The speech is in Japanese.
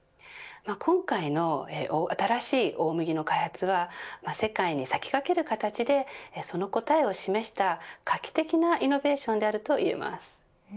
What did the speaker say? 今回の新しい大麦の開発は世界に先駆ける形でその答えを示した画期的なイノベーションであるといえます。